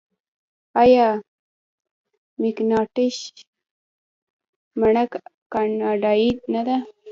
آیا مکینټاش مڼه کاناډايي نه ده؟